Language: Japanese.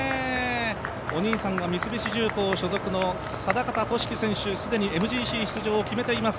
お兄さんが三菱重工所属の定方俊樹選手、すでにＭＧＣ出場決めています。